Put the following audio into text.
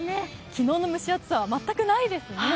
昨日の蒸し暑さは全くないですね。